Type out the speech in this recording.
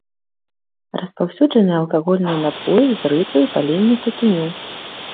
Распаўсюджаны алкагольныя напоі з рысу і паленне тытуню.